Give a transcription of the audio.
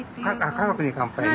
あ「家族に乾杯」ね。